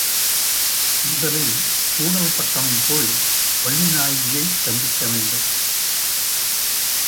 முதலில் கூடல் பட்டணம் போய் வள்ளிநாயகியைச் சந்திக்க வேண்டும்.